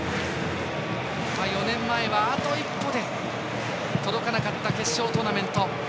４年前はあと一歩で届かなかった決勝トーナメント。